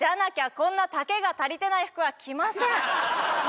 こんな丈が足りてない服は着ません！